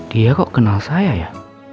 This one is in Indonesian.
dia kok kenal saya ya